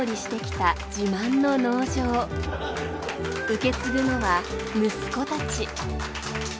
受け継ぐのは息子たち。